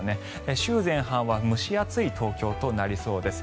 週前半は蒸し暑い東京となりそうです。